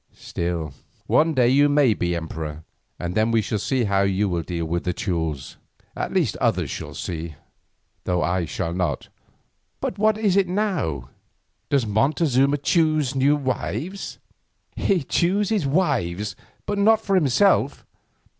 Still one day you may be emperor, and then we shall see how you will deal with the Teules, at least others will see though I shall not. But what is it now? Does Montezuma choose new wives?" "He chooses wives, but not for himself.